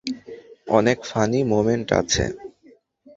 অনেক funny moment আছে।